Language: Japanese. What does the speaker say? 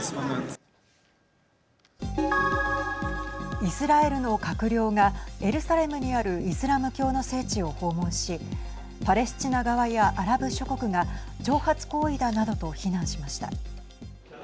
イスラエルの閣僚がエルサレムにあるイスラム教の聖地を訪問しパレスチナ側やアラブ諸国が挑発行為だなどと非難しました。